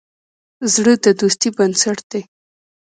زړه د دوستی بنسټ دی.